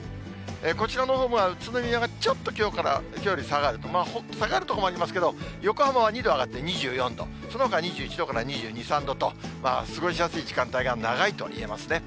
こちらのほうも宇都宮がちょっときょうより下がる、下がる所もありますけども、横浜は２度上がって２４度、そのほか２１度から２２、３度と、過ごしやすい時間帯が長いといえますね。